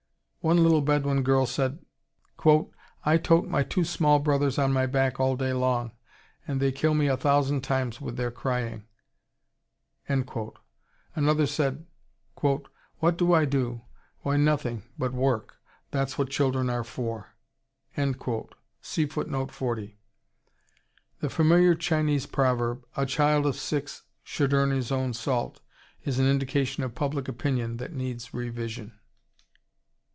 One little Bedouin girl said, "I tote my two small brothers on my back all day long, and they kill me a thousand times with their crying." Another said, "What do I do? Why, nothing but work that's what children are for." The familiar Chinese proverb, "A child of six should earn his own salt," is an indication of public opinion that needs revision.